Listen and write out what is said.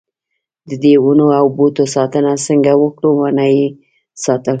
ددې ونو او بوټو ساتنه څنګه وکړو ونه یې ساتل.